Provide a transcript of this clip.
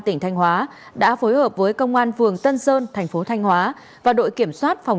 tỉnh thanh hóa đã phối hợp với công an vườn tân sơn thành phố thanh hóa và đội kiểm soát phòng